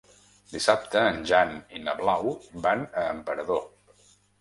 Dissabte en Jan i na Blau van a Emperador.